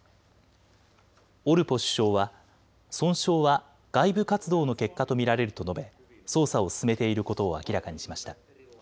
オルポ首相は損傷は外部活動の結果と見られると述べ捜査を進めていることを明らかにしました。